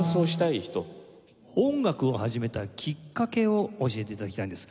音楽を始めたきっかけを教えて頂きたいんです。